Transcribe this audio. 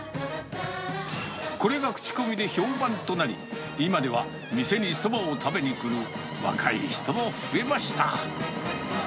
これが口コミで評判となり、今では店にそばを食べに来る若い人も増えました。